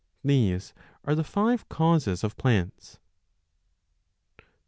These are the five causes of plants.